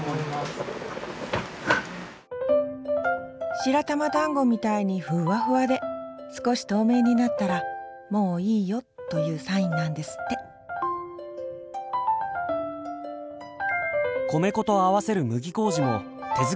白玉だんごみたいにふわふわで少し透明になったら「もういいよ」というサインなんですって米粉と合わせる麦麹も手作りしています。